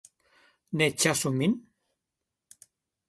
Ne ĉasu min?